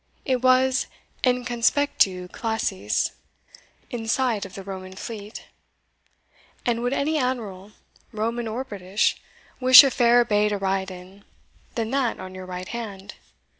It was in conspectu classis in sight of the Roman fleet; and would any admiral, Roman or British, wish a fairer bay to ride in than that on your right hand?